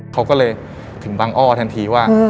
เขาก็เลยถึงบังอ้อทันทีว่า